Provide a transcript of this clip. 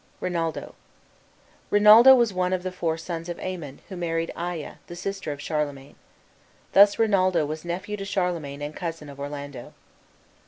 RINALDO Rinaldo was one of the four sons of Aymon, who married Aya, the sister of Charlemagne. Thus Rinaldo was nephew to Charlemagne and cousin of Orlando.